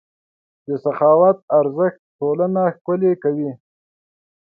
د سخاوت ارزښت ټولنه ښکلې کوي.